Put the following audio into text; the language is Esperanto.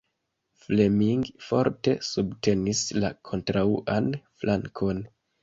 Fleming forte subtenis la kontraŭan flankon.